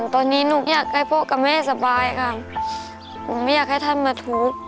ตอนนี้หนูอยากให้พ่อกับแม่สบายค่ะหนูไม่อยากให้ท่านมาทุกข์